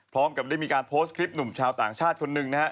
พร้อมกับได้มีการโพสต์คลิปหนุ่มชาวต่างชาติคนหนึ่งนะฮะ